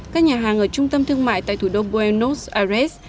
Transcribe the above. các nhà hàng ở trung tâm thương mại tại thủ đô buenos ares